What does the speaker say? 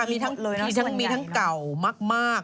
ที่มีทั้งเก่ามาก